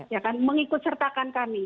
ya kan mengikut sertakan kami